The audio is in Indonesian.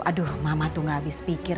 aduh mama tuh gak habis pikir